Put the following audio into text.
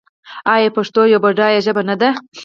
آیا پښتو یوه بډایه ژبه نه ده؟